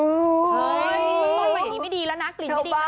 เฮ้ยมีกลิ่นต้นไปอีกไม่ดีแล้วนะกลิ่นไม่ดีแล้วนะ